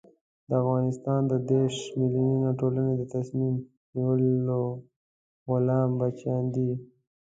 د افغانستان د دېرش ملیوني ټولنې د تصمیم نیولو غلام بچیان دي.